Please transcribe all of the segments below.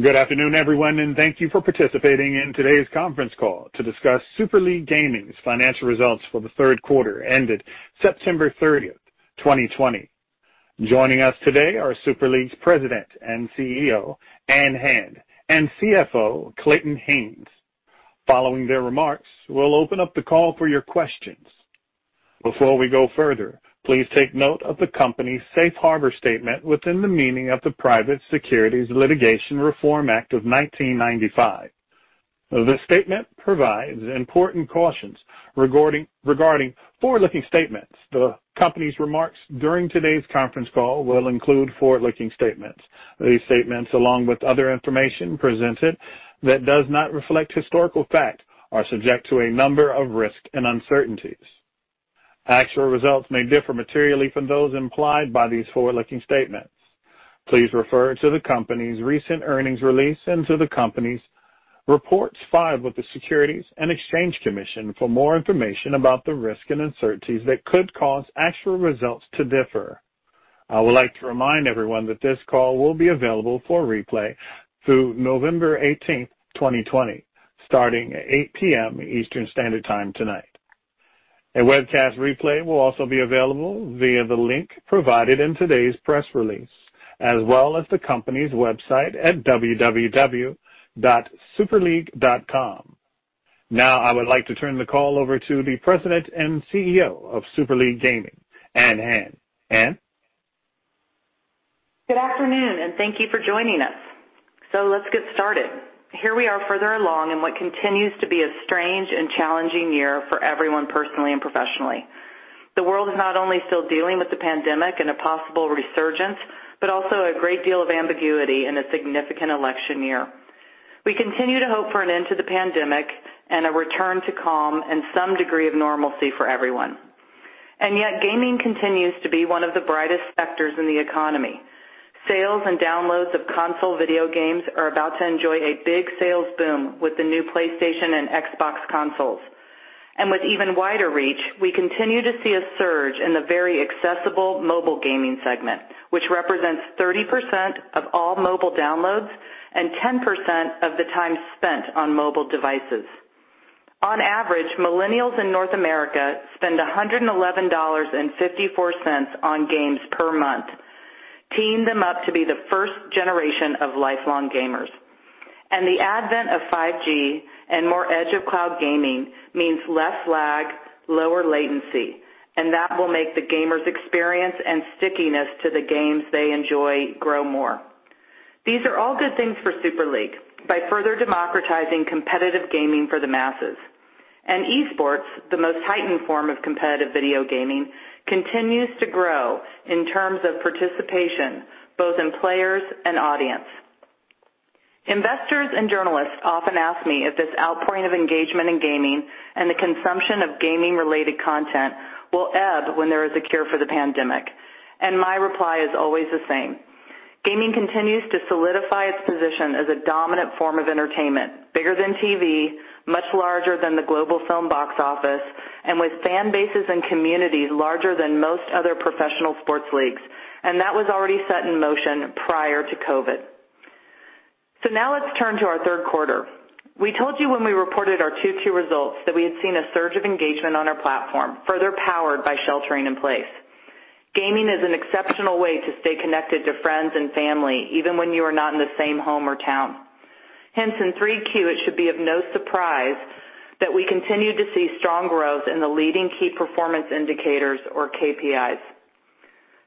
Good afternoon, everyone, and thank you for participating in today's conference call to discuss Super League Gaming's financial results for the third quarter ended September 30th, 2020. Joining us today are Super League's President and CEO, Ann Hand, and CFO, Clayton Haynes. Following their remarks, we'll open up the call for your questions. Before we go further, please take note of the company's safe harbor statement within the meaning of the Private Securities Litigation Reform Act of 1995. The statement provides important cautions regarding forward-looking statements. The company's remarks during today's conference call will include forward-looking statements. These statements, along with other information presented that does not reflect historical fact, are subject to a number of risks and uncertainties. Actual results may differ materially from those implied by these forward-looking statements. Please refer to the company's recent earnings release into the company's reports filed with the Securities and Exchange Commission for more information about the risks and uncertainties that could cause actual results to differ. I would like to remind everyone that this call will be available for replay through November 18th, 2020, starting at 8:00 P.M. Eastern Standard Time tonight. A webcast replay will also be available via the link provided in today's press release, as well as the company's website at www.superleague.com. Now I would like to turn the call over to the President and CEO of Super League Gaming, Ann Hand. Ann? Good afternoon, and thank you for joining us. Let's get started. Here we are further along in what continues to be a strange and challenging year for everyone, personally and professionally. The world is not only still dealing with the pandemic and a possible resurgence, but also a great deal of ambiguity in a significant election year. We continue to hope for an end to the pandemic and a return to calm and some degree of normalcy for everyone. Yet, gaming continues to be one of the brightest sectors in the economy. Sales and downloads of console video games are about to enjoy a big sales boom with the new PlayStation and Xbox consoles. With even wider reach, we continue to see a surge in the very accessible mobile gaming segment, which represents 30% of all mobile downloads and 10% of the time spent on mobile devices. On average, millennials in North America spend $111.54 on games per month, teeing them up to be the first generation of lifelong gamers. The advent of 5G and more edge of cloud gaming means less lag, lower latency, and that will make the gamers' experience and stickiness to the games they enjoy grow more. These are all good things for Super League by further democratizing competitive gaming for the masses. E-sports, the most heightened form of competitive video gaming, continues to grow in terms of participation, both in players and audience. Investors and journalists often ask me if this outpouring of engagement in gaming and the consumption of gaming-related content will ebb when there is a cure for the pandemic. My reply is always the same. Gaming continues to solidify its position as a dominant form of entertainment, bigger than TV, much larger than the global film box office, and with fan bases and communities larger than most other professional sports leagues, and that was already set in motion prior to COVID. Now let's turn to our third quarter. We told you when we reported our Q2 results that we had seen a surge of engagement on our platform, further powered by sheltering in place. Gaming is an exceptional way to stay connected to friends and family, even when you are not in the same home or town. Hence, in Q3, it should be of no surprise that we continued to see strong growth in the leading key performance indicators or KPIs.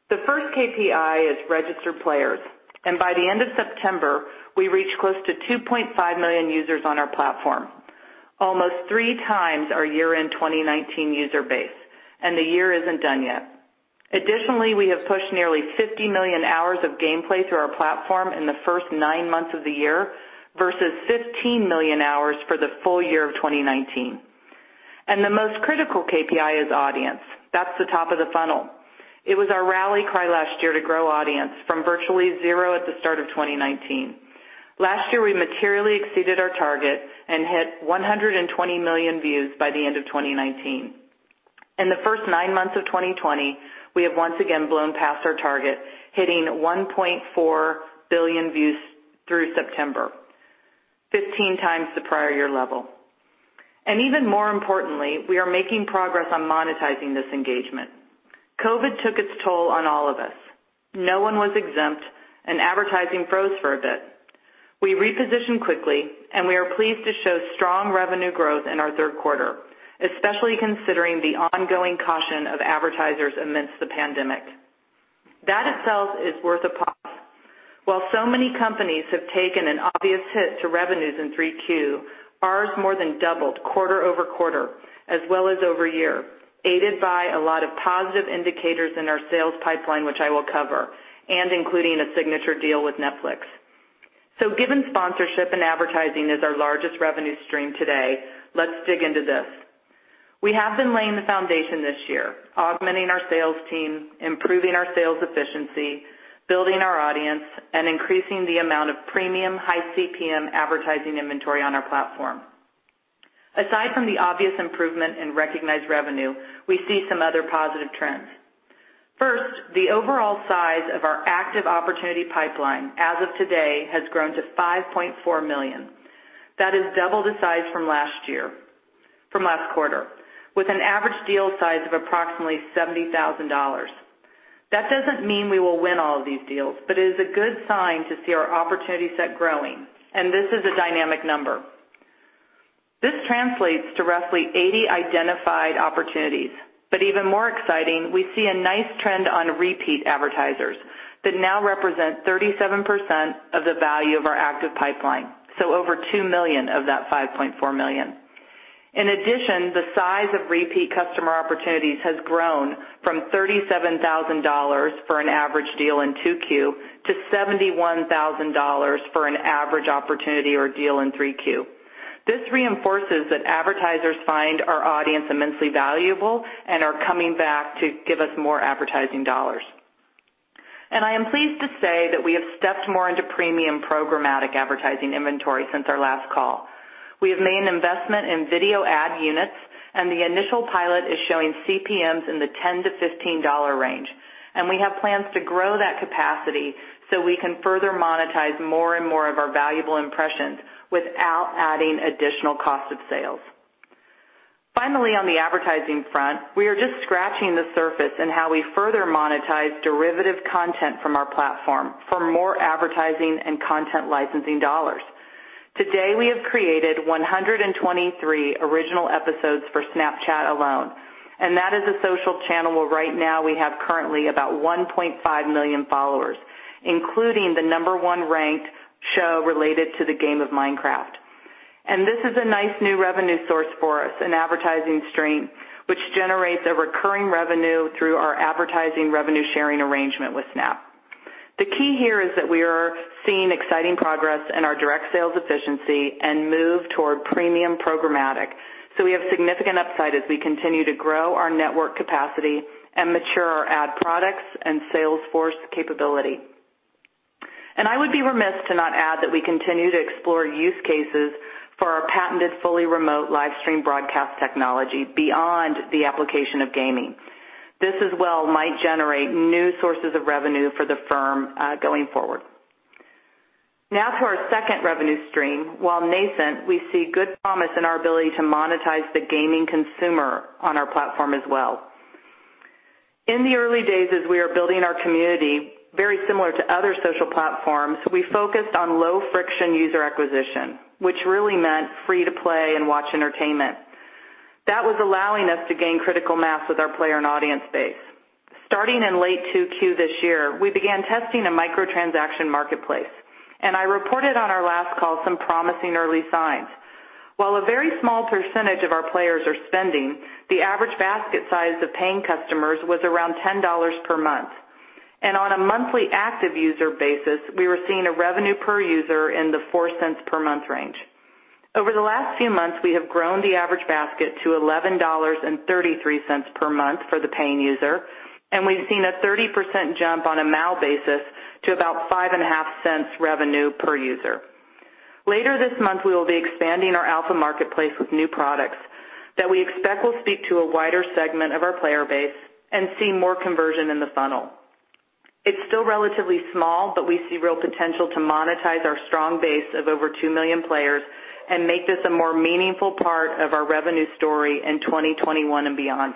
The first KPI is registered players, and by the end of September, we reached close to 2.5 million users on our platform, almost 3x our year-end 2019 user base, and the year isn't done yet. Additionally, we have pushed nearly 50 million hours of gameplay through our platform in the first nine months of the year versus 15 million hours for the full year of 2019. The most critical KPI is audience. That's the top of the funnel. It was our rally cry last year to grow audience from virtually zero at the start of 2019. Last year, we materially exceeded our target and hit 120 million views by the end of 2019. In the first nine months of 2020, we have once again blown past our target, hitting 1.4 billion views through September, 15x the prior year level. Even more importantly, we are making progress on monetizing this engagement. COVID took its toll on all of us. No one was exempt, and advertising froze for a bit. We repositioned quickly, and we are pleased to show strong revenue growth in our third quarter, especially considering the ongoing caution of advertisers amidst the pandemic. That itself is worth applause. While so many companies have taken an obvious hit to revenues in Q3, ours more than doubled quarter-over-quarter as well as year-over-year, aided by a lot of positive indicators in our sales pipeline, which I will cover, and including a signature deal with Netflix. Given sponsorship and advertising is our largest revenue stream today, let's dig into this. We have been laying the foundation this year, augmenting our sales team, improving our sales efficiency, building our audience, and increasing the amount of premium high CPM advertising inventory on our platform. Aside from the obvious improvement in recognized revenue, we see some other positive trends. First, the overall size of our active opportunity pipeline as of today has grown to $5.4 million. That is double the size from last quarter, with an average deal size of approximately $70,000. It is a good sign to see our opportunity set growing, and this is a dynamic number. This translates to roughly 80 identified opportunities. Even more exciting, we see a nice trend on repeat advertisers that now represent 37% of the value of our active pipeline, so over $2 million of that $5.4 million. In addition, the size of repeat customer opportunities has grown from $37,000 for an average deal in 2Q to $71,000 for an average opportunity or deal in 3Q. This reinforces that advertisers find our audience immensely valuable and are coming back to give us more advertising dollars. I am pleased to say that we have stepped more into premium programmatic advertising inventory since our last call. We have made an investment in video ad units, and the initial pilot is showing CPMs in the $10-$15 range. We have plans to grow that capacity so we can further monetize more and more of our valuable impressions without adding additional cost of sales. Finally, on the advertising front, we are just scratching the surface in how we further monetize derivative content from our platform for more advertising and content licensing dollars. Today, we have created 123 original episodes for Snapchat alone, that is a social channel where right now we have currently about 1.5 million followers, including the number one ranked show related to the game of Minecraft. This is a nice new revenue source for us, an advertising stream which generates a recurring revenue through our advertising revenue sharing arrangement with Snap. The key here is that we are seeing exciting progress in our direct sales efficiency and move toward premium programmatic. We have significant upside as we continue to grow our network capacity and mature our ad products and sales force capability. I would be remiss to not add that we continue to explore use cases for our patented, fully remote live stream broadcast technology beyond the application of gaming. This as well might generate new sources of revenue for the firm going forward. Now to our second revenue stream. While nascent, we see good promise in our ability to monetize the gaming consumer on our platform as well. In the early days, as we are building our community, very similar to other social platforms, we focused on low friction user acquisition, which really meant free to play and watch entertainment. That was allowing us to gain critical mass with our player and audience base. Starting in late 2Q this year, we began testing a microtransaction marketplace, and I reported on our last call some promising early signs. While a very small percentage of our players are spending, the average basket size of paying customers was around $10 per month. On a monthly active user basis, we were seeing a revenue per user in the $0.04 per month range. Over the last few months, we have grown the average basket to $11.33 per month for the paying user. We've seen a 30% jump on a MAU basis to about $0.055 revenue per user. Later this month, we will be expanding our alpha marketplace with new products that we expect will speak to a wider segment of our player base and see more conversion in the funnel. It's still relatively small. We see real potential to monetize our strong base of over 2 million players and make this a more meaningful part of our revenue story in 2021 and beyond.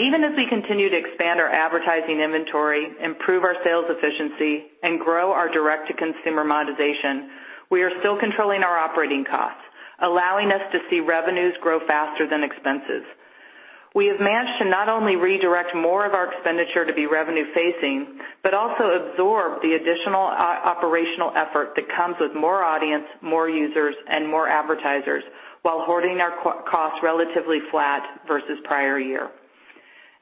Even as we continue to expand our advertising inventory, improve our sales efficiency, and grow our direct-to-consumer monetization, we are still controlling our operating costs, allowing us to see revenues grow faster than expenses. We have managed to not only redirect more of our expenditure to be revenue facing, but also absorb the additional operational effort that comes with more audience, more users, and more advertisers while holding our costs relatively flat versus prior year.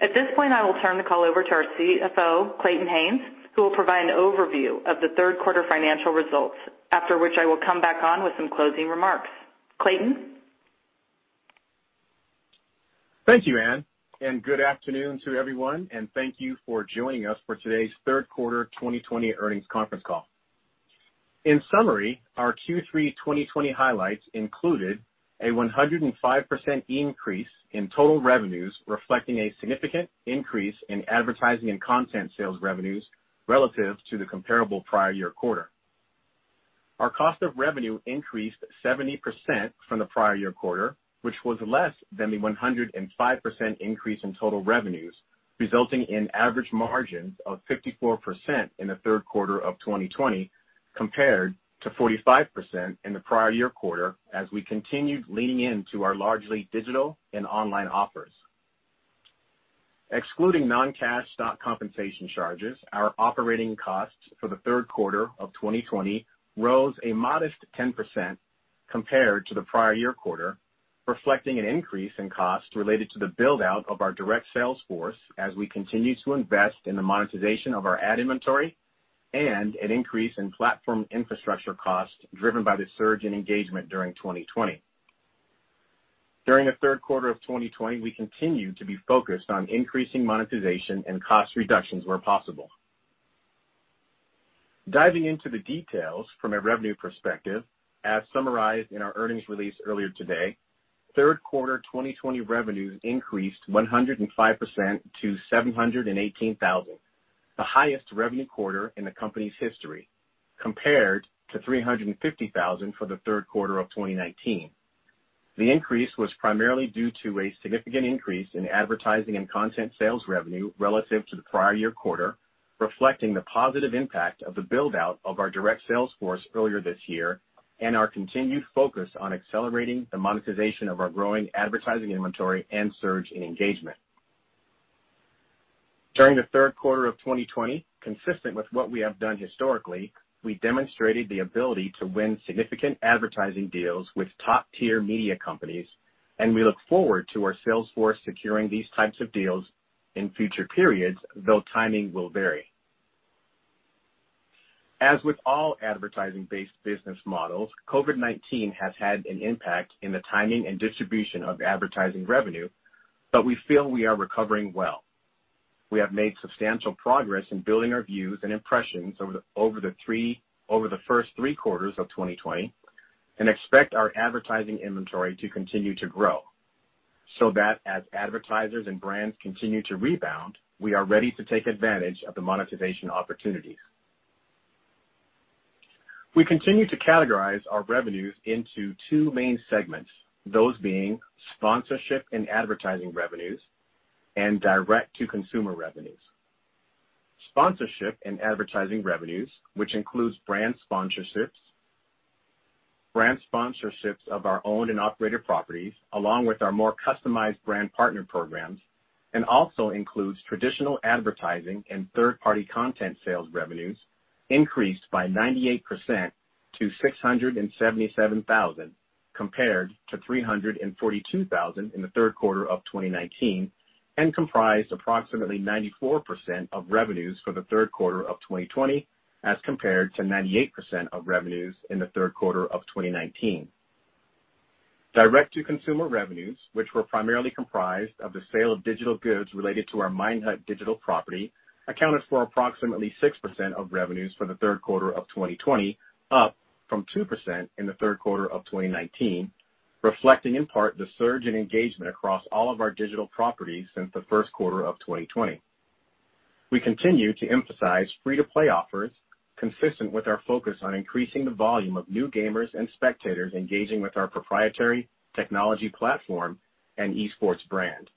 At this point, I will turn the call over to our CFO, Clayton Haynes, who will provide an overview of the third quarter financial results, after which I will come back on with some closing remarks. Clayton? Thank you, Ann. Good afternoon to everyone. Thank you for joining us for today's third quarter 2020 earnings conference call. In summary, our Q3 2020 highlights included a 105% increase in total revenues, reflecting a significant increase in advertising and content sales revenues relative to the comparable prior year quarter. Our cost of revenue increased 70% from the prior year quarter, which was less than the 105% increase in total revenues, resulting in average margins of 54% in the third quarter of 2020, compared to 45% in the prior year quarter as we continued leaning into our largely digital and online offers. Excluding non-cash stock compensation charges, our operating costs for the third quarter of 2020 rose a modest 10% compared to the prior year quarter, reflecting an increase in cost related to the build-out of our direct sales force as we continue to invest in the monetization of our ad inventory and an increase in platform infrastructure costs driven by the surge in engagement during 2020. During the third quarter of 2020, we continued to be focused on increasing monetization and cost reductions where possible. Diving into the details from a revenue perspective, as summarized in our earnings release earlier today, third quarter 2020 revenues increased 105% to $718,000, the highest revenue quarter in the company's history, compared to $350,000 for the third quarter of 2019. The increase was primarily due to a significant increase in advertising and content sales revenue relative to the prior year quarter, reflecting the positive impact of the build-out of our direct sales force earlier this year, and our continued focus on accelerating the monetization of our growing advertising inventory and surge in engagement. During the third quarter of 2020, consistent with what we have done historically, we demonstrated the ability to win significant advertising deals with top-tier media companies, and we look forward to our sales force securing these types of deals in future periods, though timing will vary. As with all advertising-based business models, COVID-19 has had an impact in the timing and distribution of advertising revenue, but we feel we are recovering well. We have made substantial progress in building our views and impressions over the first three quarters of 2020, and expect our advertising inventory to continue to grow, so that as advertisers and brands continue to rebound, we are ready to take advantage of the monetization opportunities. We continue to categorize our revenues into two main segments, those being sponsorship and advertising revenues, and direct-to-consumer revenues. Sponsorship and advertising revenues, which includes brand sponsorships of our owned and operated properties, along with our more customized brand partner programs, and also includes traditional advertising and third-party content sales revenues, increased by 98% to $677,000, compared to $342,000 in the third quarter of 2019, and comprised approximately 94% of revenues for the third quarter of 2020, as compared to 98% of revenues in the third quarter of 2019. Direct-to-consumer revenues, which were primarily comprised of the sale of digital goods related to our Minehut digital property, accounted for approximately 6% of revenues for the third quarter of 2020, up from 2% in the third quarter of 2019, reflecting in part the surge in engagement across all of our digital properties since the first quarter of 2020. We continue to emphasize free-to-play offers consistent with our focus on increasing the volume of new gamers and spectators engaging with our proprietary technology platform and e-sports brand.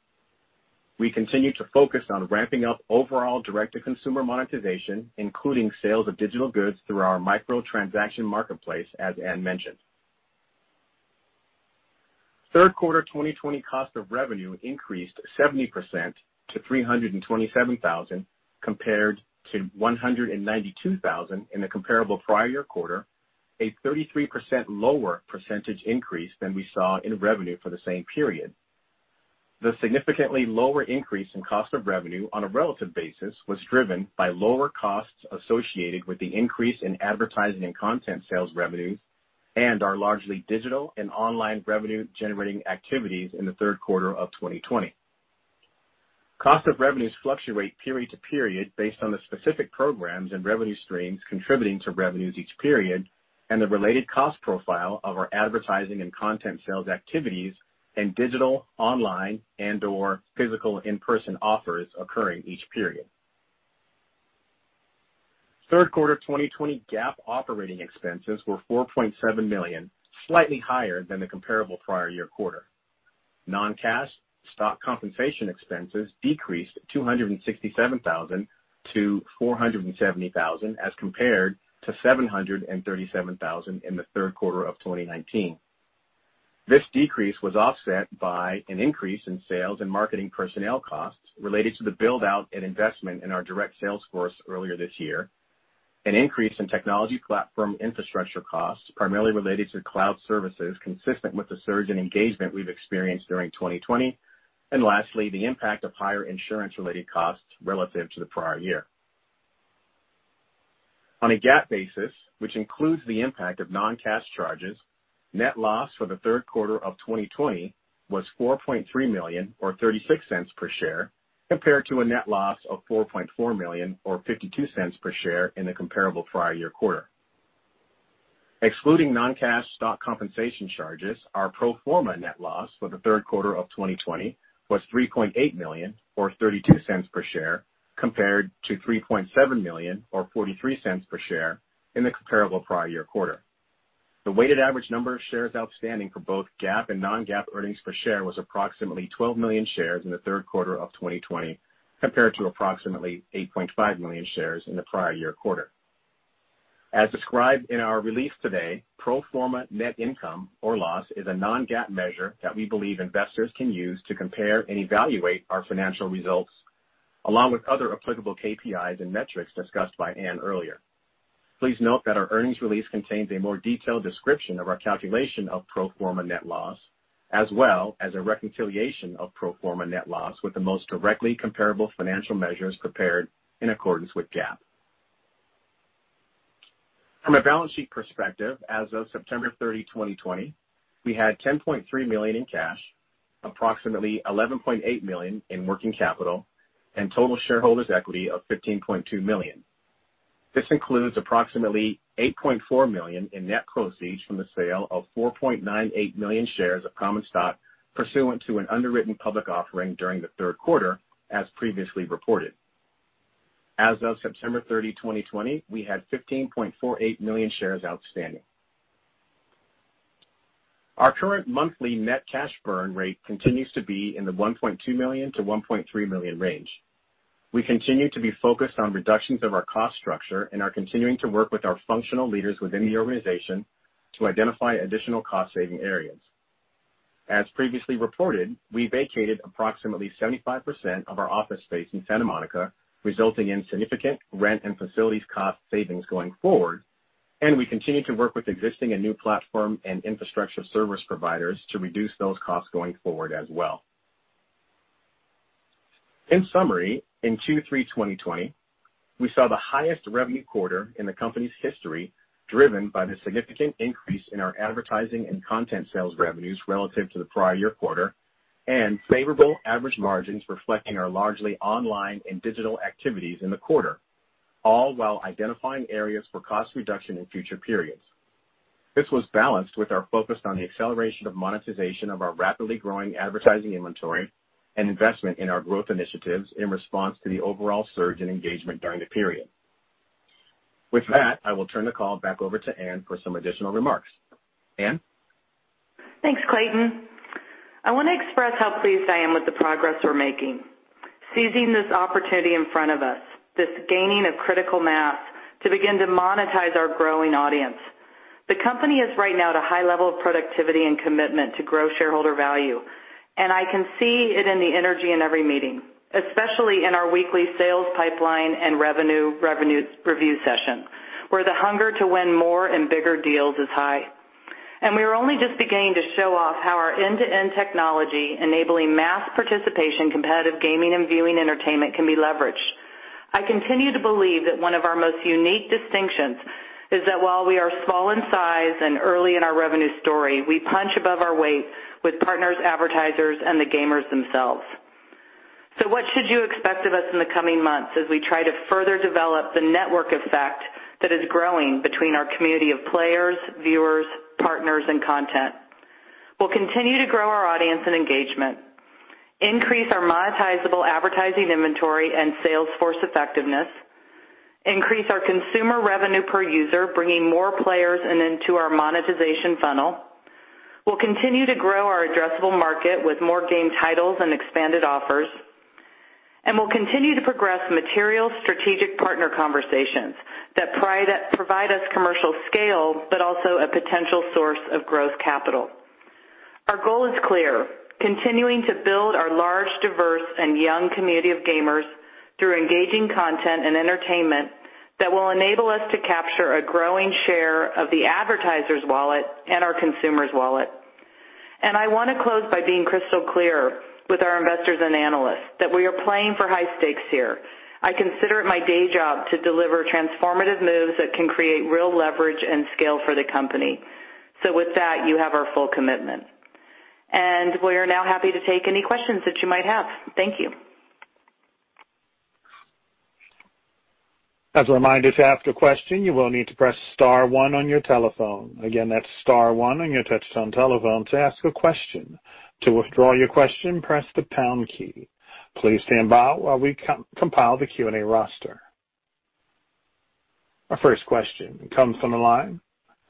We continue to focus on ramping up overall direct-to-consumer monetization, including sales of digital goods through our micro transaction marketplace, as Ann mentioned. Third quarter 2020 cost of revenue increased 70% to $327,000, compared to $192,000 in the comparable prior year quarter, a 33% lower % increase than we saw in revenue for the same period. The significantly lower increase in cost of revenue on a relative basis was driven by lower costs associated with the increase in advertising and content sales revenues, and our largely digital and online revenue-generating activities in the third quarter of 2020. Cost of revenues fluctuate period to period based on the specific programs and revenue streams contributing to revenues each period, and the related cost profile of our advertising and content sales activities in digital, online, and/or physical in-person offers occurring each period. Third quarter 2020 GAAP operating expenses were $4.7 million, slightly higher than the comparable prior year quarter. Non-cash stock compensation expenses decreased $267,000 to $470,000, as compared to $737,000 in the third quarter of 2019. This decrease was offset by an increase in sales and marketing personnel costs related to the build-out and investment in our direct sales force earlier this year, an increase in technology platform infrastructure costs, primarily related to cloud services consistent with the surge in engagement we've experienced during 2020, and lastly, the impact of higher insurance-related costs relative to the prior year. On a GAAP basis, which includes the impact of non-cash charges, net loss for the third quarter of 2020 was $4.3 million or $0.36 per share, compared to a net loss of $4.4 million or $0.52 per share in the comparable prior year quarter. Excluding non-cash stock compensation charges, our pro forma net loss for the third quarter of 2020 was $3.8 million or $0.32 per share, compared to $3.7 million or $0.43 per share in the comparable prior year quarter. The weighted average number of shares outstanding for both GAAP and non-GAAP earnings per share was approximately 12 million shares in the third quarter of 2020, compared to approximately 8.5 million shares in the prior year quarter. As described in our release today, pro forma net income or loss is a non-GAAP measure that we believe investors can use to compare and evaluate our financial results, along with other applicable KPIs and metrics discussed by Ann earlier. Please note that our earnings release contains a more detailed description of our calculation of pro forma net loss, as well as a reconciliation of pro forma net loss with the most directly comparable financial measures compared in accordance with GAAP. From a balance sheet perspective, as of September 30, 2020, we had $10.3 million in cash, approximately $11.8 million in working capital, and total shareholders' equity of $15.2 million. This includes approximately $8.4 million in net proceeds from the sale of 4.98 million shares of common stock pursuant to an underwritten public offering during the third quarter, as previously reported. As of September 30, 2020, we had $15.48 million shares outstanding. Our current monthly net cash burn rate continues to be in the $1.2 million-$1.3 million range. We continue to be focused on reductions of our cost structure and are continuing to work with our functional leaders within the organization to identify additional cost-saving areas. As previously reported, we vacated approximately 75% of our office space in Santa Monica, resulting in significant rent and facilities cost savings going forward, and we continue to work with existing and new platform and infrastructure service providers to reduce those costs going forward as well. In summary, in Q3 2020, we saw the highest revenue quarter in the company's history, driven by the significant increase in our advertising and content sales revenues relative to the prior year quarter, and favorable average margins reflecting our largely online and digital activities in the quarter, all while identifying areas for cost reduction in future periods. This was balanced with our focus on the acceleration of monetization of our rapidly growing advertising inventory and investment in our growth initiatives in response to the overall surge in engagement during the period. With that, I will turn the call back over to Ann for some additional remarks. Ann? Thanks, Clayton. I want to express how pleased I am with the progress we're making. Seizing this opportunity in front of us, this gaining of critical mass to begin to monetize our growing audience. The company is right now at a high level of productivity and commitment to grow shareholder value. I can see it in the energy in every meeting, especially in our weekly sales pipeline and revenue review session, where the hunger to win more and bigger deals is high. We are only just beginning to show off how our end-to-end technology enabling mass participation, competitive gaming, and viewing entertainment can be leveraged. I continue to believe that one of our most unique distinctions is that while we are small in size and early in our revenue story, we punch above our weight with partners, advertisers, and the gamers themselves. What should you expect of us in the coming months as we try to further develop the network effect that is growing between our community of players, viewers, partners, and content? We'll continue to grow our audience and engagement, increase our monetizable advertising inventory and sales force effectiveness, increase our consumer revenue per user, bringing more players and into our monetization funnel. We'll continue to grow our addressable market with more game titles and expanded offers, and we'll continue to progress material strategic partner conversations that provide us commercial scale, but also a potential source of growth capital. Our goal is clear: continuing to build our large, diverse, and young community of gamers through engaging content and entertainment that will enable us to capture a growing share of the advertiser's wallet and our consumer's wallet. I want to close by being crystal clear with our investors and analysts that we are playing for high stakes here. I consider it my day job to deliver transformative moves that can create real leverage and scale for the company. With that, you have our full commitment. We are now happy to take any questions that you might have. Thank you. Our first question comes from the line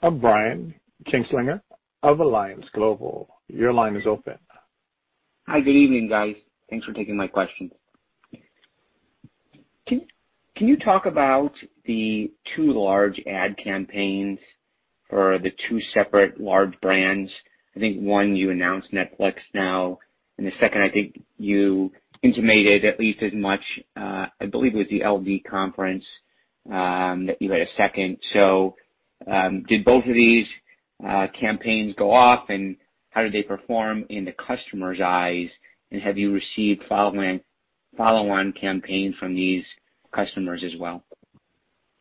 of Brian Kinstlinger of Alliance Global. Your line is open. Hi, good evening, guys. Thanks for taking my questions. Can you talk about the two large ad campaigns for the two separate large brands? I think one, you announced Netflix now, and the second, I think you intimated at least as much, I believe it was the LD conference, that you had a second. Did both of these campaigns go off, and how did they perform in the customers' eyes, and have you received follow-on campaigns from these customers as well?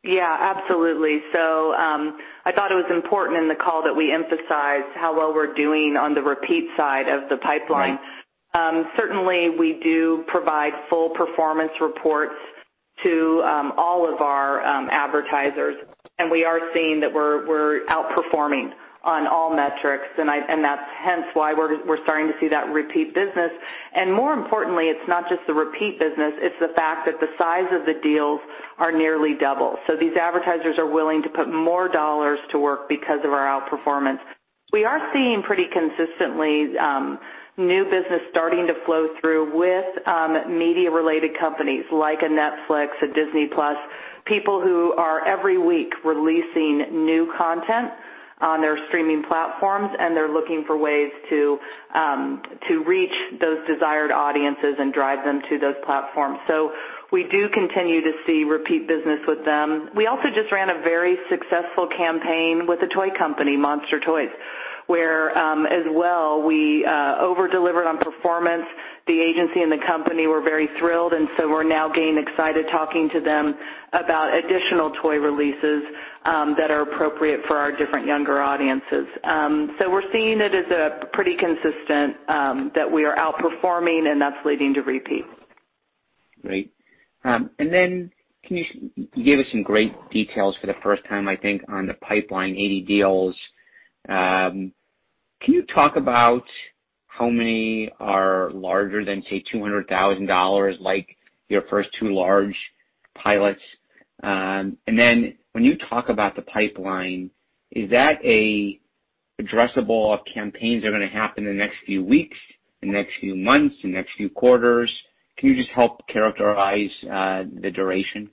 Yeah, absolutely. I thought it was important in the call that we emphasized how well we're doing on the repeat side of the pipeline. Right. Certainly, we do provide full performance reports to all of our advertisers, and we are seeing that we're outperforming on all metrics, and that's hence why we're starting to see that repeat business. More importantly, it's not just the repeat business, it's the fact that the size of the deals are nearly double. These advertisers are willing to put more dollars to work because of our outperformance. We are seeing pretty consistently new business starting to flow through with media-related companies like a Netflix, a Disney+, people who are every week releasing new content on their streaming platforms, and they're looking for ways to reach those desired audiences and drive them to those platforms. We do continue to see repeat business with them. We also just ran a very successful campaign with a toy company, Monster Toys, where, as well, we over-delivered on performance. The agency and the company were very thrilled, and so we're now getting excited talking to them about additional toy releases that are appropriate for our different younger audiences. We're seeing it as pretty consistent, that we are outperforming, and that's leading to repeat. Great. You gave us some great details for the first time, I think, on the pipeline, 80 deals. Can you talk about how many are larger than, say, $200,000, like your first two large pilots? When you talk about the pipeline, is that addressable of campaigns that are going to happen in the next few weeks, the next few months, the next few quarters? Can you just help characterize the duration?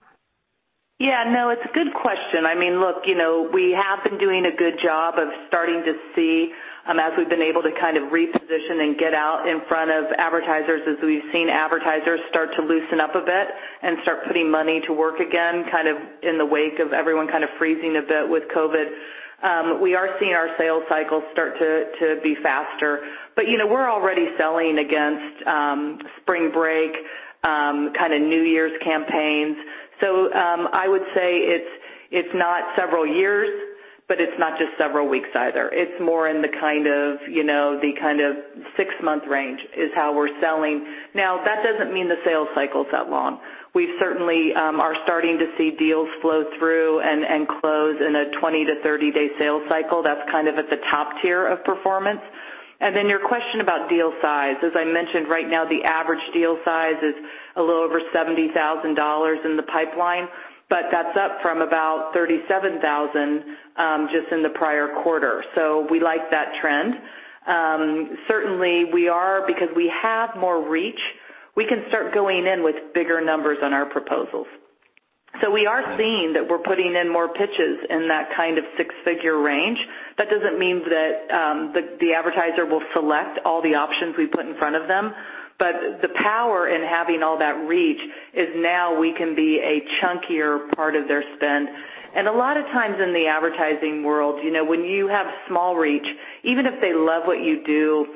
No, it's a good question. Look, we have been doing a good job of starting to see, as we've been able to kind of reposition and get out in front of advertisers as we've seen advertisers start to loosen up a bit and start putting money to work again, kind of in the wake of everyone kind of freezing a bit with COVID. We are seeing our sales cycle start to be faster. We're already selling against spring break, kind of New Year's campaigns. I would say it's not several years, but it's not just several weeks either. It's more in the kind of six-month range is how we're selling. That doesn't mean the sales cycle's that long. We certainly are starting to see deals flow through and close in a 20-30 day sales cycle. That's kind of at the top tier of performance. Then your question about deal size. As I mentioned, right now the average deal size is a little over $70,000 in the pipeline, but that's up from about $37,000 just in the prior quarter. We like that trend. Certainly we are, because we have more reach, we can start going in with bigger numbers on our proposals. We are seeing that we're putting in more pitches in that kind of six-figure range. That doesn't mean that the advertiser will select all the options we put in front of them. The power in having all that reach is now we can be a chunkier part of their spend. A lot of times in the advertising world, when you have small reach, even if they love what you do,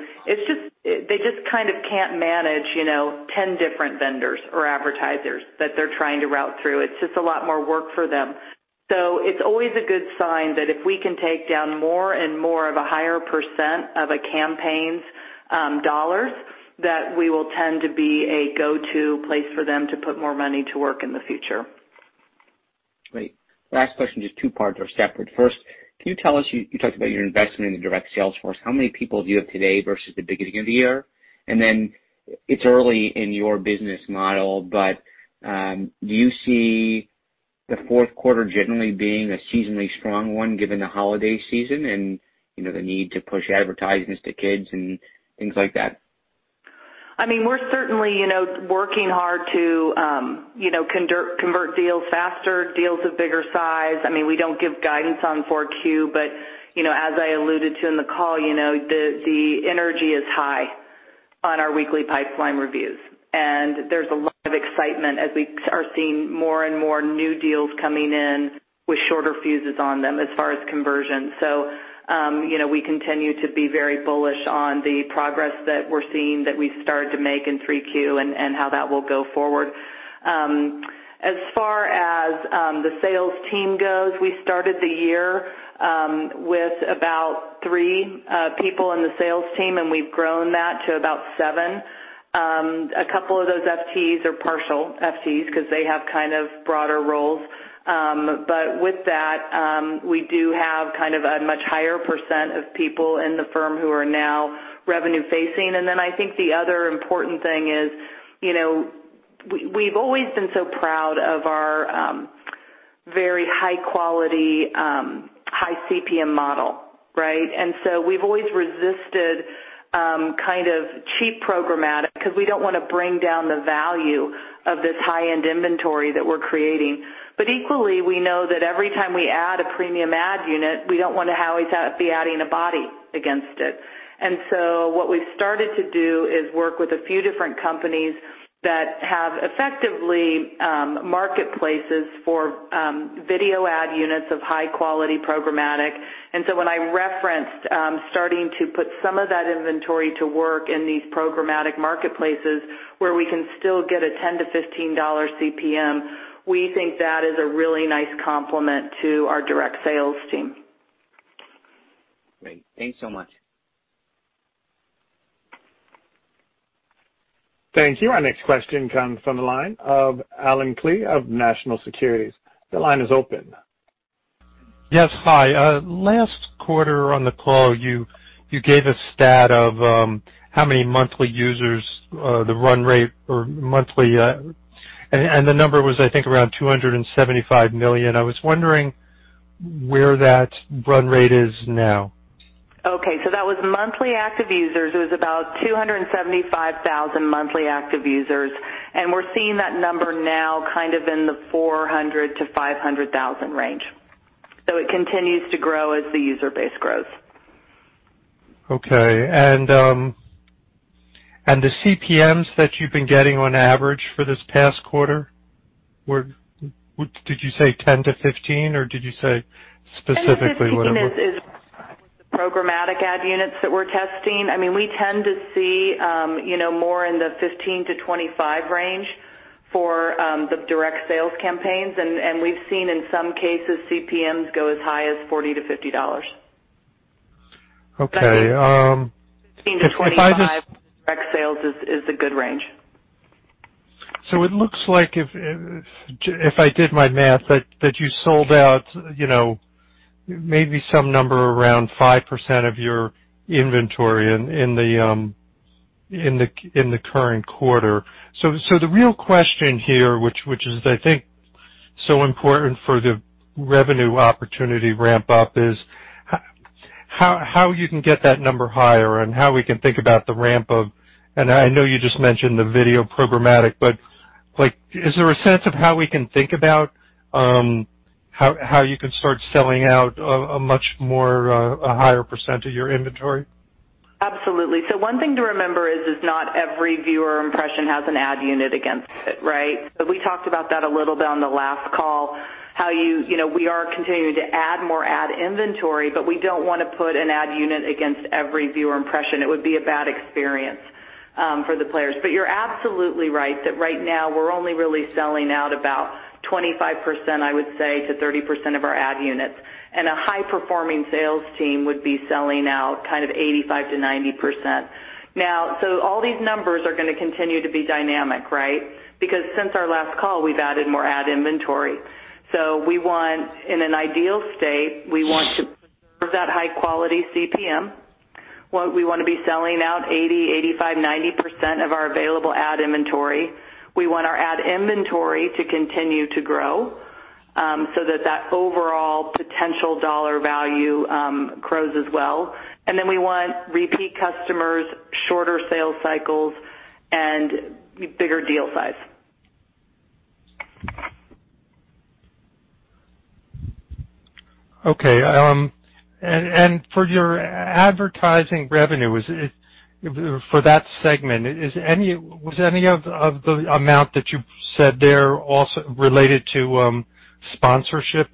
they just kind of can't manage 10 different vendors or advertisers that they're trying to route through. It's just a lot more work for them. It's always a good sign that if we can take down more and more of a higher % of a campaign's dollars, that we will tend to be a go-to place for them to put more money to work in the future. Great. Last question, just two parts are separate. First, can you tell us, you talked about your investment in the direct sales force. How many people do you have today versus the beginning of the year? It's early in your business model, but do you see the fourth quarter generally being a seasonally strong one given the holiday season and the need to push advertisements to kids and things like that? We're certainly working hard to convert deals faster, deals of bigger size. We don't give guidance on 4Q, but as I alluded to in the call, the energy is high on our weekly pipeline reviews. There's a lot of excitement as we are seeing more and more new deals coming in with shorter fuses on them as far as conversion. We continue to be very bullish on the progress that we're seeing that we've started to make in 3Q and how that will go forward. As far as the sales team goes, we started the year with about three people in the sales team, and we've grown that to about seven. A couple of those FTEs are partial FTEs because they have kind of broader roles. With that, we do have kind of a much higher % of people in the firm who are now revenue facing. I think the other important thing is, we've always been so proud of our very high quality, high CPM model, right. We've always resisted kind of cheap programmatic because we don't want to bring down the value of this high-end inventory that we're creating. Equally, we know that every time we add a premium ad unit, we don't want to always have to be adding a body against it. What we've started to do is work with a few different companies that have effectively marketplaces for video ad units of high-quality programmatic. When I referenced starting to put some of that inventory to work in these programmatic marketplaces where we can still get a $10-$15 CPM, we think that is a really nice complement to our direct sales team. Great. Thanks so much. Thank you. Our next question comes from the line of Allen Klee of National Securities. The line is open. Yes. Hi. Last quarter on the call, you gave a stat of how many monthly users, the run rate or monthly, the number was, I think, around $275 million. I was wondering where that run rate is now. That was monthly active users. It was about 275,000 monthly active users. We're seeing that number now kind of in the 400,000-500,000 range. It continues to grow as the user base grows. Okay. The CPMs that you've been getting on average for this past quarter were, did you say 10-15, or did you say specifically what it was? 10-15 is programmatic ad units that we're testing. We tend to see more in the 15-25 range for the direct sales campaigns, and we've seen in some cases, CPMs go as high as $40-$50. Okay. 15-25 direct sales is a good range. It looks like if I did my math, that you sold out maybe some number around 5% of your inventory in the current quarter. The real question here, which is, I think, so important for the revenue opportunity ramp up is how you can get that number higher and how we can think about the ramp up, and I know you just mentioned the video programmatic, but is there a sense of how we can think about how you can start selling out a higher % of your inventory? Absolutely. One thing to remember is not every viewer impression has an ad unit against it, right? We talked about that a little bit on the last call, how we are continuing to add more ad inventory, but we don't want to put an ad unit against every viewer impression. It would be a bad experience for the players. You're absolutely right that right now we're only really selling out about 25%, I would say, to 30% of our ad units. A high-performing sales team would be selling out 85%-90%. Now, all these numbers are going to continue to be dynamic, right? Because since our last call, we've added more ad inventory. We want, in an ideal state, we want to preserve that high-quality CPM. We want to be selling out 80%, 85%, 90% of our available ad inventory. We want our ad inventory to continue to grow so that that overall potential dollar value grows as well. We want repeat customers, shorter sales cycles, and bigger deal size. Okay. For your advertising revenue, for that segment, was any of the amount that you said there also related to sponsorship?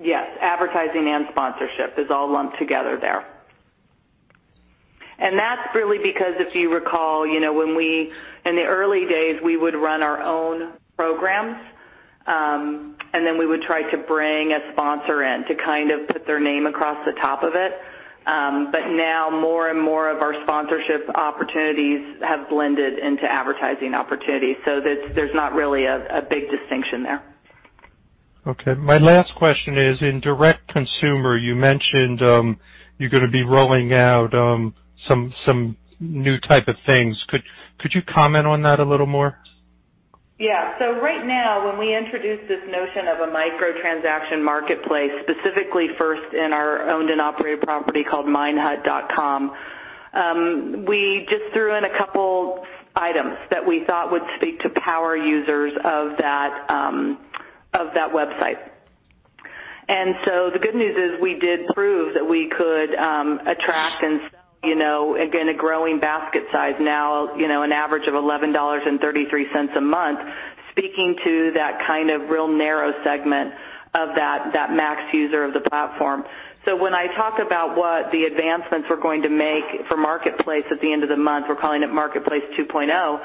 Yes. Advertising and sponsorship is all lumped together there. That's really because if you recall, in the early days, we would run our own programs, then we would try to bring a sponsor in to kind of put their name across the top of it. Now more and more of our sponsorship opportunities have blended into advertising opportunities. There's not really a big distinction there. Okay. My last question is, in direct consumer, you mentioned you're going to be rolling out some new type of things. Could you comment on that a little more? Yeah. Right now, when we introduce this notion of a micro-transaction marketplace, specifically first in our owned and operated property called minehut.com, we just threw in a couple items that we thought would speak to power users of that website. The good news is we did prove that we could attract and sell, again, a growing basket size now an average of $11.33 a month, speaking to that kind of real narrow segment of that max user of the platform. When I talk about what the advancements we're going to make for Marketplace at the end of the month, we're calling it Marketplace 2.0,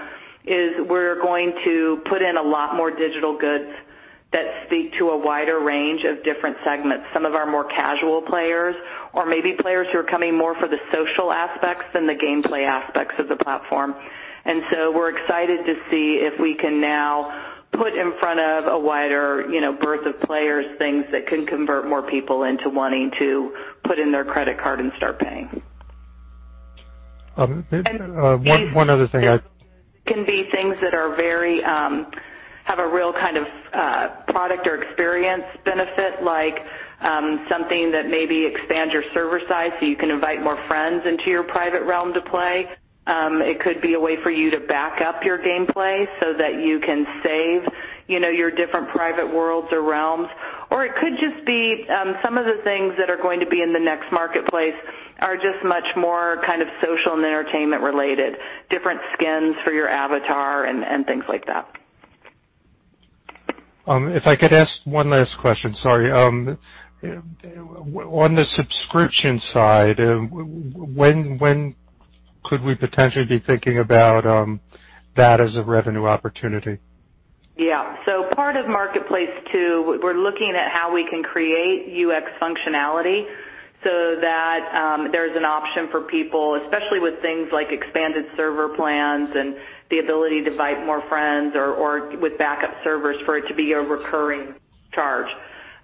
is we're going to put in a lot more digital goods that speak to a wider range of different segments, some of our more casual players, or maybe players who are coming more for the social aspects than the gameplay aspects of the platform. We're excited to see if we can now put in front of a wider berth of players, things that can convert more people into wanting to put in their credit card and start paying. One other thing. Can be things that have a real kind of product or experience benefit, like something that maybe expand your server size so you can invite more friends into your private realm to play. It could be a way for you to back up your gameplay so that you can save your different private worlds or realms. It could just be some of the things that are going to be in the next marketplace are just much more kind of social and entertainment-related, different skins for your avatar and things like that. If I could ask one last question, sorry. On the subscription side, when could we potentially be thinking about that as a revenue opportunity? Yeah. Part of Marketplace 2, we're looking at how we can create UX functionality so that there's an option for people, especially with things like expanded server plans and the ability to invite more friends or with backup servers for it to be a recurring charge.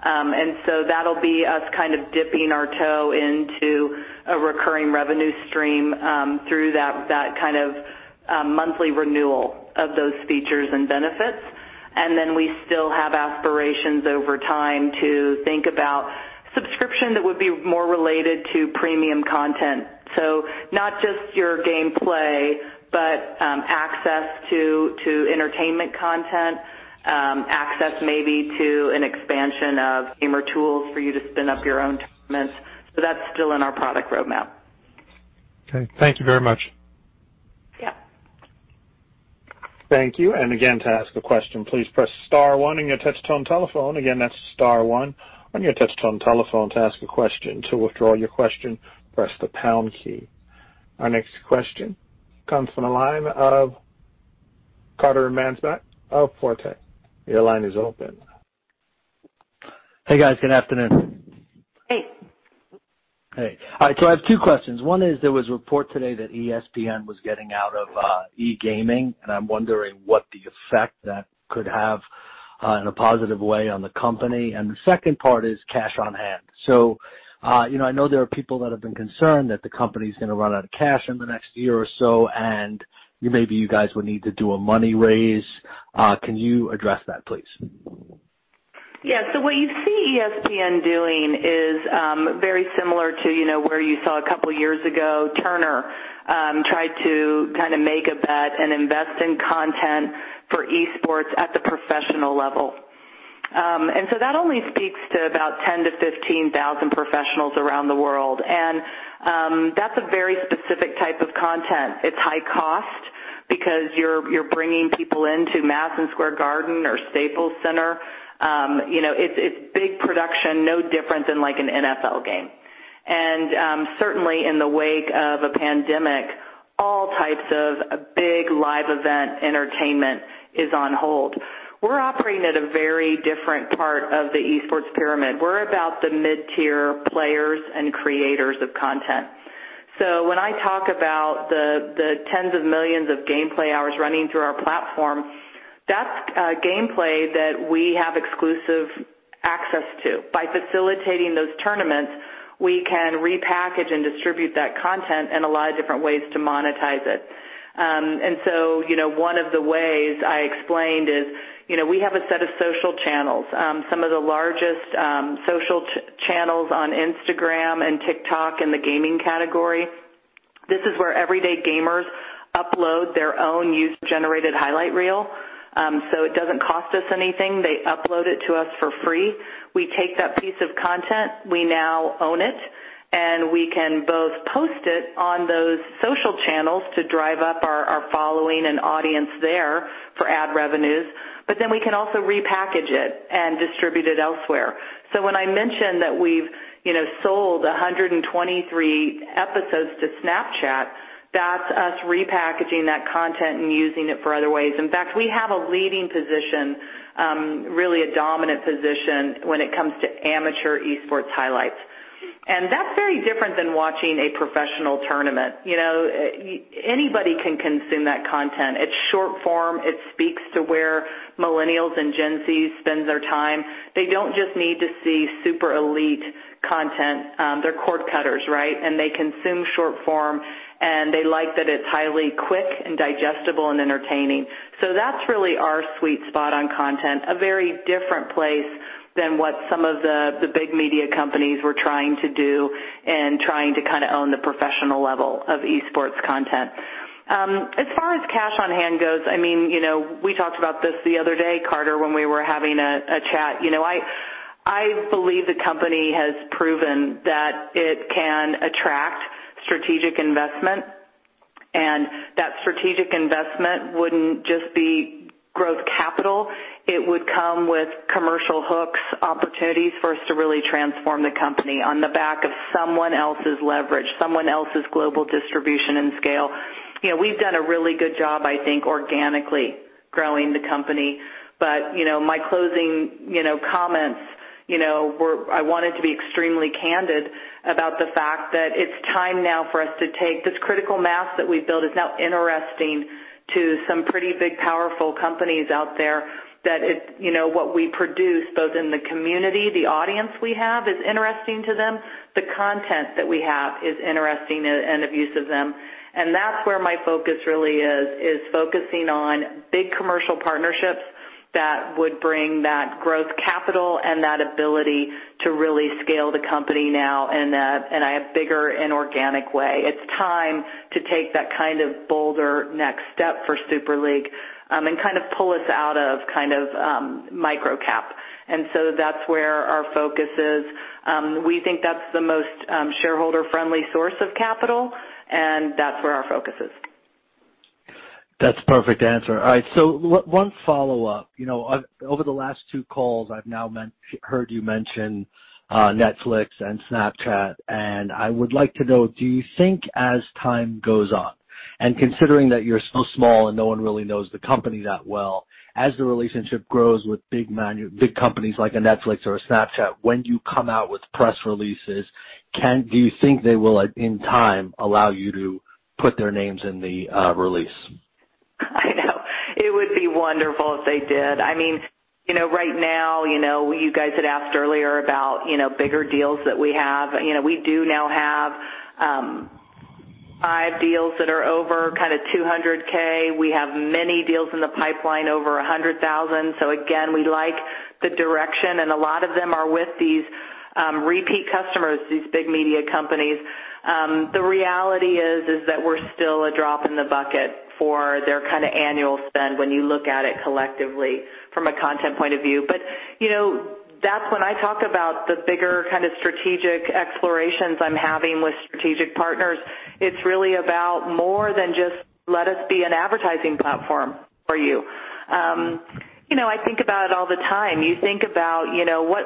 That'll be us kind of dipping our toe into a recurring revenue stream through that kind of monthly renewal of those features and benefits. Then we still have aspirations over time to think about subscription that would be more related to premium content. Not just your gameplay, but access to entertainment content, access maybe to an expansion of gamer tools for you to spin up your own tournaments. That's still in our product roadmap. Okay. Thank you very much. Thank you. Again, to ask a question, please press star one on your touch-tone telephone. Again, that's star one on your touch-tone telephone to ask a question. To withdraw your question, press the pound key. Our next question comes from the line of Carter Mansbach of Forte. Your line is open. Hey, guys. Good afternoon. Hey. Hey. All right, I have two questions. One is, there was a report today that ESPN was getting out of e-sports, and I'm wondering what the effect that could have in a positive way on the company. The second part is cash on hand. I know there are people that have been concerned that the company's going to run out of cash in the next year or so, and maybe you guys would need to do a money raise. Can you address that, please? Yeah. What you see ESPN doing is very similar to where you saw a couple of years ago, Turner tried to kind of make a bet and invest in content for e-sports at the professional level. That only speaks to about 10,000-15,000 professionals around the world. That's a very specific type of content. It's high cost because you're bringing people into Madison Square Garden or Staples Center. It's big production, no different than an NFL game. Certainly in the wake of a pandemic, all types of big live event entertainment is on hold. We're operating at a very different part of the e-sports pyramid. We're about the mid-tier players and creators of content. When I talk about the tens of millions of gameplay hours running through our platform, that's gameplay that we have exclusive access to. By facilitating those tournaments, we can repackage and distribute that content and a lot of different ways to monetize it. One of the ways I explained is, we have a set of social channels. Some of the largest social channels on Instagram and TikTok in the gaming category. This is where everyday gamers upload their own user-generated highlight reel. It doesn't cost us anything. They upload it to us for free. We take that piece of content, we now own it, and we can both post it on those social channels to drive up our following and audience there for ad revenues. We can also repackage it and distribute it elsewhere. When I mentioned that we've sold 123 episodes to Snapchat, that's us repackaging that content and using it for other ways. We have a leading position, really a dominant position when it comes to amateur e-sports highlights. That's very different than watching a professional tournament. Anybody can consume that content. It's short-form. It speaks to where Millennials and Gen Z spend their time. They don't just need to see super elite content. They're cord-cutters, right? They consume short-form, and they like that it's highly quick and digestible and entertaining. That's really our sweet spot on content, a very different place than what some of the big media companies were trying to do and trying to kind of own the professional level of e-sports content. As far as cash on hand goes, we talked about this the other day, Carter, when we were having a chat. I believe the company has proven that it can attract strategic investment, and that strategic investment wouldn't just be growth capital. It would come with commercial hooks, opportunities for us to really transform the company on the back of someone else's leverage, someone else's global distribution and scale. We've done a really good job, I think, organically growing the company. My closing comments were I wanted to be extremely candid about the fact that it's time now for us to take this critical mass that we've built is now interesting to some pretty big, powerful companies out there that what we produce, both in the community, the audience we have is interesting to them. The content that we have is interesting and of use of them, that's where my focus really is focusing on big commercial partnerships that would bring that growth capital and that ability to really scale the company now in a bigger inorganic way. It's time to take that kind of bolder next step for Super League, and kind of pull us out of micro-cap. That's where our focus is. We think that's the most shareholder-friendly source of capital, and that's where our focus is. That's a perfect answer. All right, one follow-up. Over the last two calls I've now heard you mention Netflix and Snapchat. I would like to know, do you think as time goes on, and considering that you're so small and no one really knows the company that well, as the relationship grows with big companies like a Netflix or a Snapchat, when you come out with press releases, do you think they will, in time, allow you to put their names in the release? I know. It would be wonderful if they did. Right now, you guys had asked earlier about bigger deals that we have. We do now have five deals that are over kind of $200K. We have many deals in the pipeline over $100,000. Again, we like the direction, and a lot of them are with these repeat customers, these big media companies. The reality is that we're still a drop in the bucket for their kind of annual spend when you look at it collectively from a content point of view. That's when I talk about the bigger kind of strategic explorations I'm having with strategic partners. It's really about more than just let us be an advertising platform for you. I think about it all the time. You think about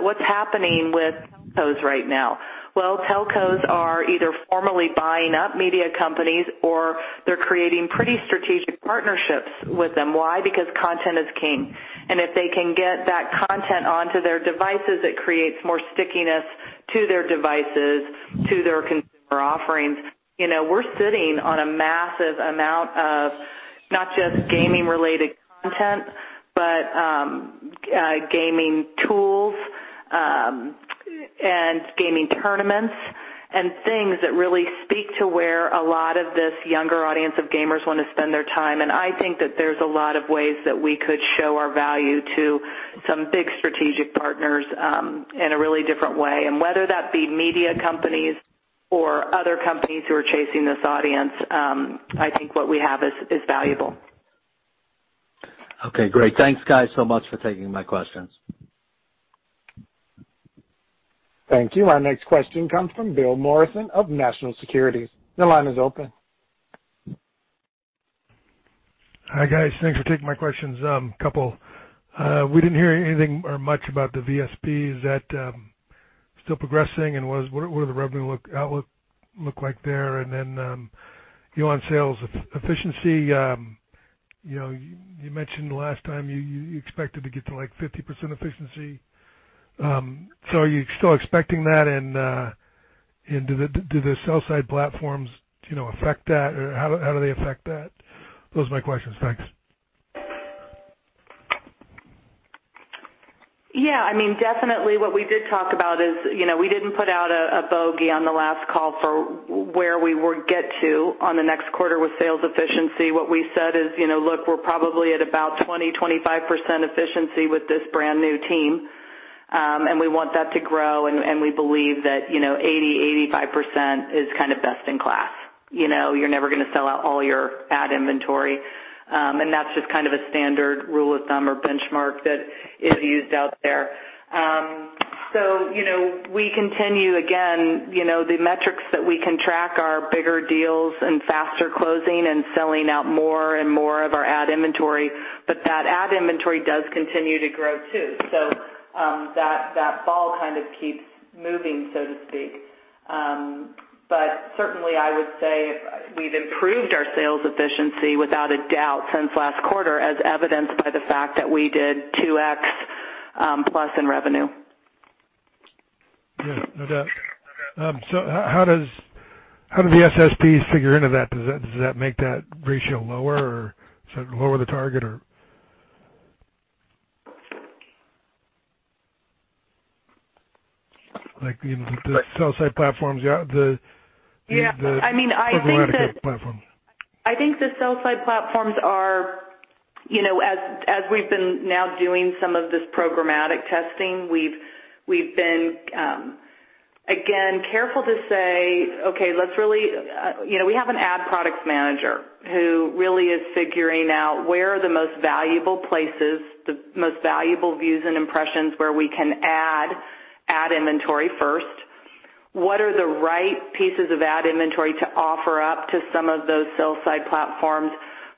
what's happening with telcos right now. Well, telcos are either formally buying up media companies, or they're creating pretty strategic partnerships with them. Why? Because content is king, and if they can get that content onto their devices, it creates more stickiness to their devices, to their consumer offerings. We're sitting on a massive amount of not just gaming-related content, but gaming tools and gaming tournaments and things that really speak to where a lot of this younger audience of gamers want to spend their time. I think that there's a lot of ways that we could show our value to some big strategic partners in a really different way. Whether that be media companies or other companies who are chasing this audience, I think what we have is valuable. Okay, great. Thanks, guys, so much for taking my questions. Thank you. Our next question comes from William Morrison of National Securities. Your line is open. Hi, guys. Thanks for taking my questions, couple. We didn't hear anything or much about the VSP. Is that still progressing, and what does the revenue outlook look like there? On sales efficiency, you mentioned last time you expected to get to 50% efficiency. Are you still expecting that, and do the sell-side platforms affect that, or how do they affect that? Those are my questions. Thanks. Yeah. Definitely what we did talk about is we didn't put out a bogey on the last call for where we would get to on the next quarter with sales efficiency. What we said is, look, we're probably at about 20%-25% efficiency with this brand-new team, and we want that to grow, and we believe that 80%-85% is kind of best in class. You're never going to sell out all your ad inventory, and that's just kind of a standard rule of thumb or benchmark that is used out there. We continue, again, the metrics that we can track are bigger deals and faster closing and selling out more and more of our ad inventory. But that ad inventory does continue to grow, too. That ball kind of keeps moving, so to speak. Certainly, I would say we've improved our sales efficiency without a doubt since last quarter, as evidenced by the fact that we did 2x+ in revenue. Yeah, no doubt. How do the SSPs figure into that? Does that make that ratio lower or lower the target, like the sell-side platforms, the programmatic platforms? As we've been now doing some of this programmatic testing, we've been, again, careful to say, okay, we have an ad products manager who really is figuring out where are the most valuable places, the most valuable views and impressions where we can add ad inventory first. What are the right pieces of ad inventory to offer up to some of those sell-side platforms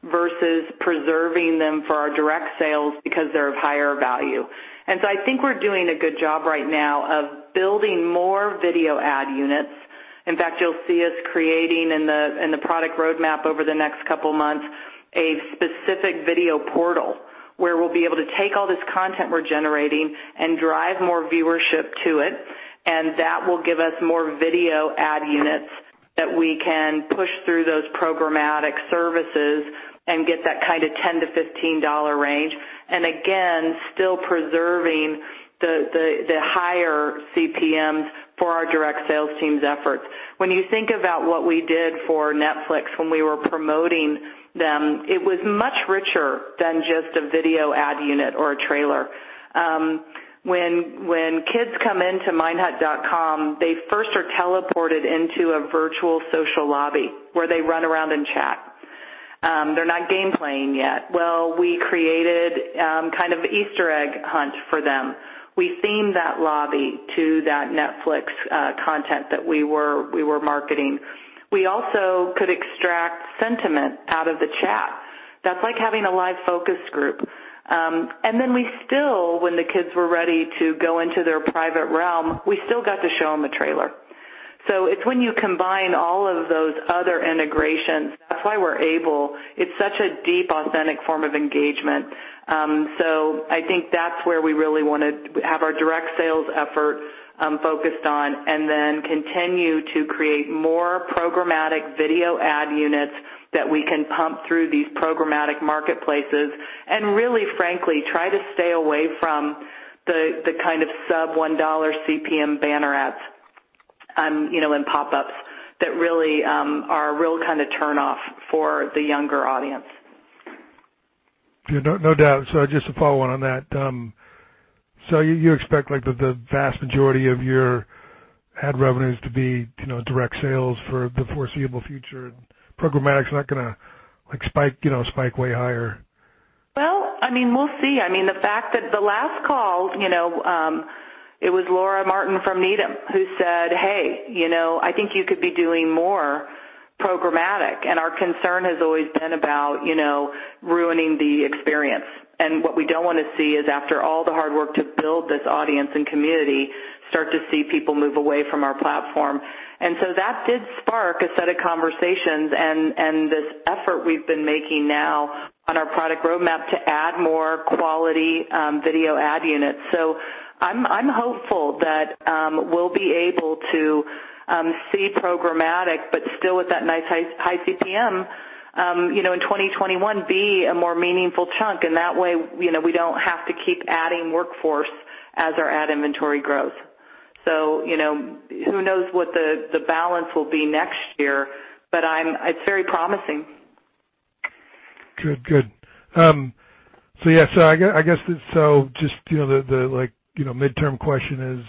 versus preserving them for our direct sales because they're of higher value? I think we're doing a good job right now of building more video ad units. In fact, you'll see us creating in the product roadmap over the next couple of months a specific video portal where we'll be able to take all this content we're generating and drive more viewership to it. That will give us more video ad units that we can push through those programmatic services and get that kind of $10-$15 range. Still preserving the higher CPMs for our direct sales team's efforts. When you think about what we did for Netflix when we were promoting them, it was much richer than just a video ad unit or a trailer. When kids come into minehut.com, they first are teleported into a virtual social lobby where they run around and chat. They're not game playing yet. We created kind of Easter egg hunt for them. We themed that lobby to that Netflix content that we were marketing. We also could extract sentiment out of the chat. That's like having a live focus group. Then we still, when the kids were ready to go into their private realm, we still got to show them a trailer. It's when you combine all of those other integrations, that's why we're able. It's such a deep, authentic form of engagement. I think that's where we really want to have our direct sales effort focused on and then continue to create more programmatic video ad units that we can pump through these programmatic marketplaces and really, frankly, try to stay away from the kind of sub $1 CPM banner ads and pop-ups that really are a real kind of turn-off for the younger audience. No doubt. Just a follow on that. You expect the vast majority of your ad revenues to be direct sales for the foreseeable future. Programmatic's not going to spike way higher? Well, we'll see. The fact that the last call, it was Laura Martin from Needham who said, "Hey, I think you could be doing more programmatic." Our concern has always been about ruining the experience. What we don't want to see is, after all the hard work to build this audience and community, start to see people move away from our platform. That did spark a set of conversations and this effort we've been making now on our product roadmap to add more quality video ad units. I'm hopeful that we'll be able to see programmatic, but still with that nice high CPM, in 2021 be a more meaningful chunk. That way, we don't have to keep adding workforce as our ad inventory grows. Who knows what the balance will be next year, but it's very promising. Good. I guess the midterm question is,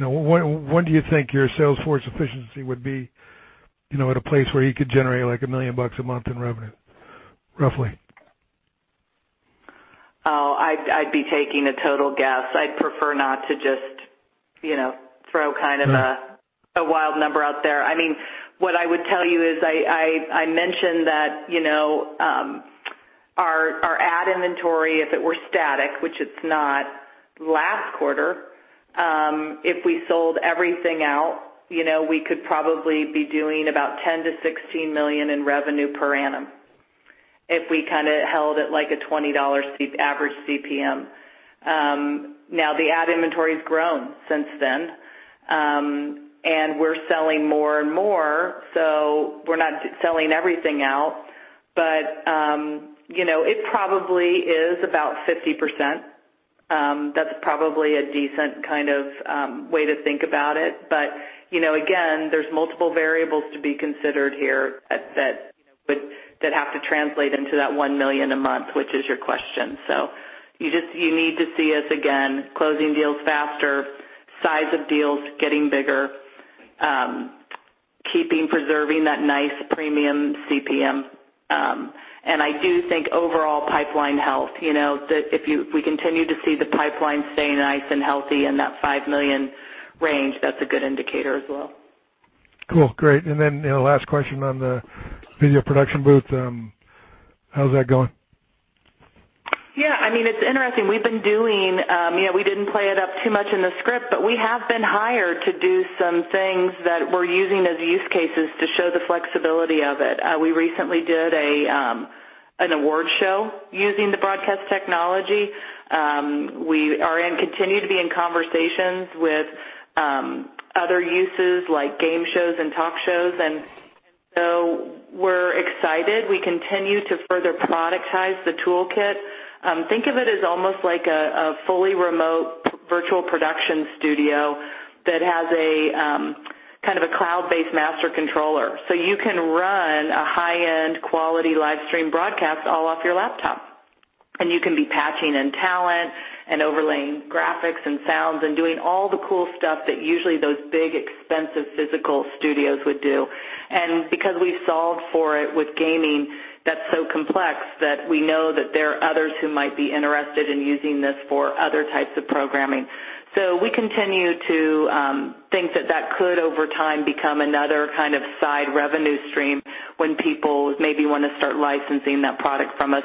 when do you think your sales force efficiency would be at a place where you could generate $1 million a month in revenue, roughly? Oh, I'd be taking a total guess. I'd prefer not to just throw a wild number out there. What I would tell you is, I mentioned that our ad inventory, if it were static, which it's not, last quarter, if we sold everything out, we could probably be doing about $10 million-$16 million in revenue per annum if we held at a $20 average CPM. The ad inventory's grown since then. We're selling more and more, we're not selling everything out, it probably is about 50%. That's probably a decent way to think about it. Again, there's multiple variables to be considered here that have to translate into that $1 million a month, which is your question. You need to see us, again, closing deals faster, size of deals getting bigger, preserving that nice premium CPM. I do think overall pipeline health. If we continue to see the pipeline stay nice and healthy in that $5 million range, that's a good indicator as well. Cool. Great. Then last question on the video production booth. How's that going? It's interesting. We didn't play it up too much in the script, but we have been hired to do some things that we're using as use cases to show the flexibility of it. We recently did an award show using the broadcast technology. We continue to be in conversations with other uses like game shows and talk shows. We're excited. We continue to further productize the toolkit. Think of it as almost like a fully remote virtual production studio that has a cloud-based master controller. You can run a high-end quality live stream broadcast all off your laptop, and you can be patching in talent and overlaying graphics and sounds and doing all the cool stuff that usually those big, expensive physical studios would do. Because we've solved for it with gaming, that's so complex that we know that there are others who might be interested in using this for other types of programming. We continue to think that that could, over time, become another kind of side revenue stream when people maybe want to start licensing that product from us.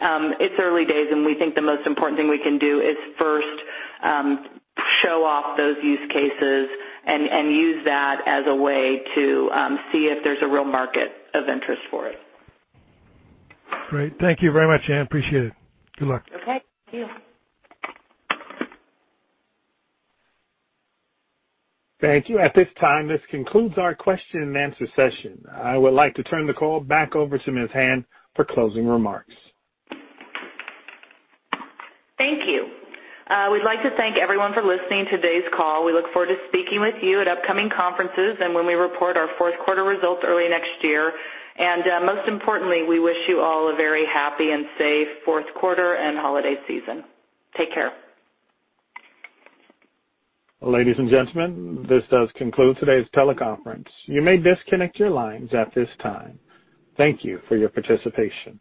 It's early days, and we think the most important thing we can do is first show off those use cases and use that as a way to see if there's a real market of interest for it. Great. Thank you very much, Ann. Appreciate it. Good luck. Okay. Thank you. Thank you. At this time, this concludes our question and answer session. I would like to turn the call back over to Ms. Hand for closing remarks. Thank you. We'd like to thank everyone for listening to today's call. We look forward to speaking with you at upcoming conferences and when we report our fourth quarter results early next year. Most importantly, we wish you all a very happy and safe fourth quarter and holiday season. Take care. Ladies and gentlemen, this does conclude today's teleconference. You may disconnect your lines at this time. Thank you for your participation.